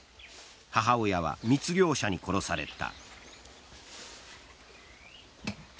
母親は密猟者に殺された。